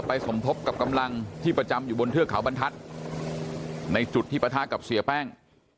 สมทบกับกำลังที่ประจำอยู่บนเทือกเขาบรรทัศน์ในจุดที่ปะทะกับเสียแป้ง